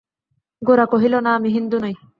গোরা কহিল, না, আমি হিন্দু নই।